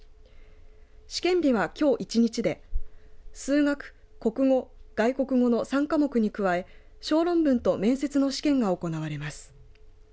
試験日はきょう１日で数学、国語外国語の３科目に加え小論文と面接の試験が行われます。